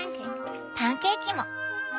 パンケーキも。